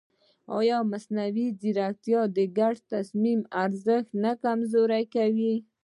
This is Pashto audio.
ایا مصنوعي ځیرکتیا د ګډ تصمیم ارزښت نه کمزوری کوي؟